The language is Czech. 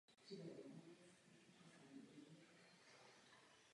V minulosti působil jako moderátor pořadu České televize "Svět rekordů a kuriozit".